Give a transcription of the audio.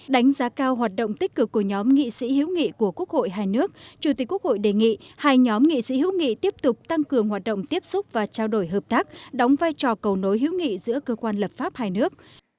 đánh giá cao hoạt động tích cực của nhóm nghị sĩ hữu nghị của quốc hội hai nước chủ tịch quốc hội đề nghị hai nhóm nghị sĩ hữu nghị tiếp tục tăng cường hoạt động tiếp xúc và trao đổi hợp tác đóng vai trò cầu nối hữu nghị giữa cơ quan lập pháp hai nước